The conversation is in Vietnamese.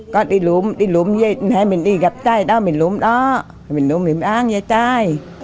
có đi lũm đi lũm về mình đi gặp trai đó mình lũm đó mình lũm đi ăn với trai